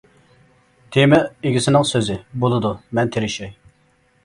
تېما ئىگىسىنىڭ سۆزى : بولىدۇ. مەن تىرىشاي!